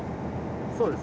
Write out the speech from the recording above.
そうですね。